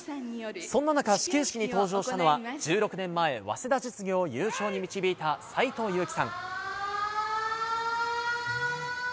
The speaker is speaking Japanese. そんな中、始球式に登場したのが１６年前、早稲田実業を優勝に導いた斎藤佑樹さん。